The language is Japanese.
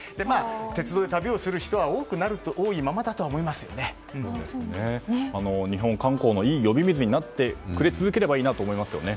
鉄道で旅をする人は日本観光のいい呼び水になってくれ続ければいいなと思いますよね。